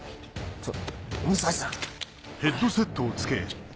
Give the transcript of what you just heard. ちょっ。